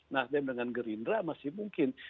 nasdem dengan gerindra masih mungkin